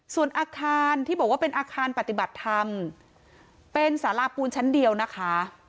ส่วนอาคารที่บอกว่าเป็นอาคารปฏิบัติธรรมเป็นสาราปูนชั้นเดียวนะคะ